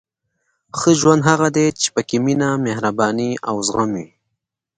• ښه ژوند هغه دی چې پکې مینه، مهرباني او زغم وي.